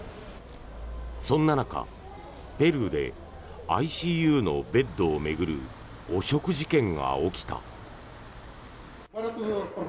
そんな中、ペルーでＩＣＵのベッドを巡る汚職事件が起きた。